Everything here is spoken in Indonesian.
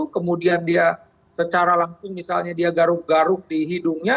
kemudian dia secara langsung misalnya dia garuk garuk di hidungnya